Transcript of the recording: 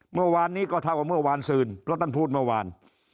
เมื่อวานนี้ก็เท่ากับเมื่อวานซืนเพราะท่านพูดเมื่อวาน